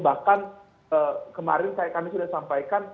bahkan kemarin kami sudah sampaikan